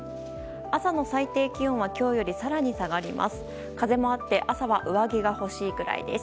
朝の最低気温は今日より更に下がります。